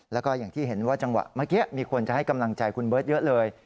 แล้วก็อย่างที่เห็นว่าจังหวะเมื่อกี้มีคนจะให้กำลังใจคุณเบิร์ตเยอะเลย